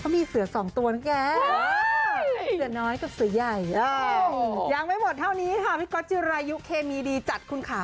มาทำจะไยุเคมีดีจัดขนขา